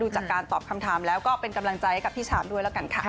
จากการตอบคำถามแล้วก็เป็นกำลังใจให้กับพี่ชามด้วยแล้วกันค่ะ